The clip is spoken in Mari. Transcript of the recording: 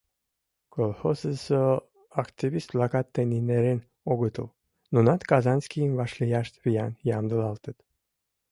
Колхозысо активист-влакат тений нерен огытыл, нунат Казанскийым вашлияш виян ямдылалтыт.